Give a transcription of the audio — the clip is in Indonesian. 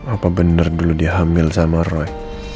apa bener dulu dia hamil sama roy